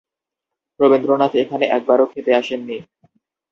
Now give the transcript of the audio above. রবীন্দ্রনাথ এখানে একবারও খেতে আসেননি।